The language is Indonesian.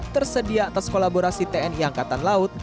tersedia atas kolaborasi tni angkatan laut